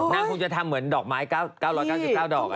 คงจะทำเหมือนดอกไม้๙๙ดอก